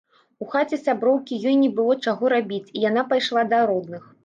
У хаце сяброўкі ёй не было чаго рабіць і яна пайшла да родных.